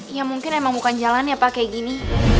ya mungkin emang bukan jalan ya pak kayak gini